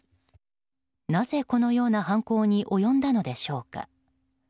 なぜ、このような犯行に及んだのでしょうか。